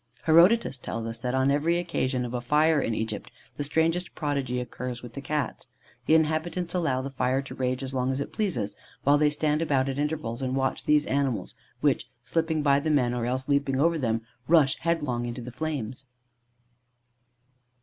Herodotus tells us that "on every occasion of a fire in Egypt, the strangest prodigy occurs with the Cats. The inhabitants allow the fire to rage as long as it pleases, while they stand about, at intervals, and watch these animals, which, slipping by the men, or else leaping over them, rush headlong into the flames."